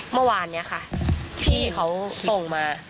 เมื่อวานนี้ค่ะพี่เขาส่งมา